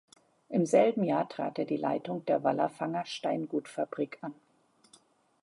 Im selben Jahr trat er die Leitung der Wallerfanger Steingutfabrik an.